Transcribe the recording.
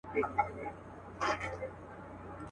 پرې ویده تېرېږي بله پېړۍ ورو ورو.